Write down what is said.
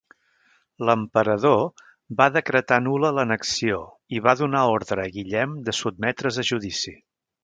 L'emperador va decretar nul·la l'annexió i va donar ordre a Guillem de sotmetre's a judici.